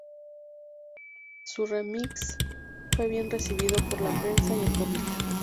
Su remix fue bien recibido por la prensa y el público.